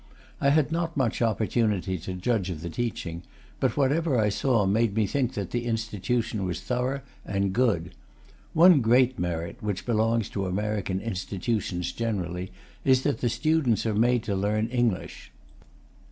I had not much opportunity to judge of the teaching, but whatever I saw made me think that the institution was thorough and good. One great merit, which belongs to American institutions generally, is that the students are made to learn English.